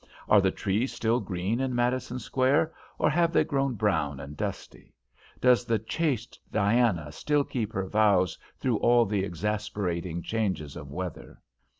Are the trees still green in Madison Square, or have they grown brown and dusty? Does the chaste Diana still keep her vows through all the exasperating changes of weather?